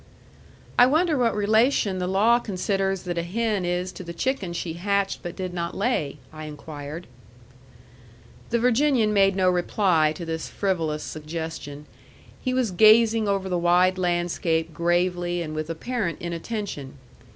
"I wonder what relation the law considers that a hen is to the chicken she hatched but did not lay?" I inquired. The Virginian made no reply to this frivolous suggestion. He was gazing over the wide landscape gravely and with apparent inattention.